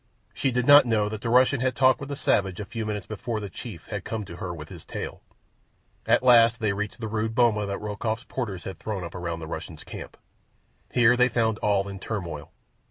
She did not know that the Russian had talked with the savage a few minutes before the chief had come to her with his tale. At last they reached the rude boma that Rokoff's porters had thrown up round the Russian's camp. Here they found all in turmoil.